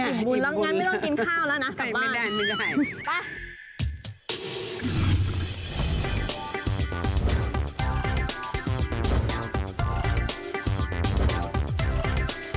อิ่มบุญแล้วงั้นไม่ต้องกินข้าวแล้วนะ